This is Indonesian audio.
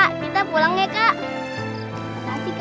kak kita pulang ya kak